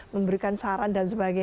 memberikan saran dan sebagainya